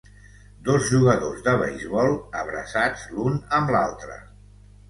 Dos jugadors de beisbol abraçats l'un amb l'altre.